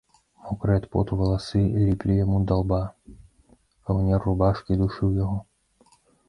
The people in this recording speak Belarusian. Мокрыя ад поту валасы ліплі яму да лба, каўнер рубашкі душыў яго.